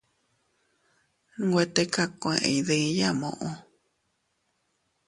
Nwe tikakue iydiya muʼu.